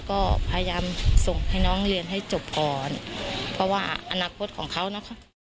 ก็พยายามส่งให้น้องเรียนให้จบก่อนเพราะว่าอนาคตของเขานะคะ